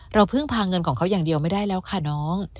พึ่งพาเงินของเขาอย่างเดียวไม่ได้แล้วค่ะน้อง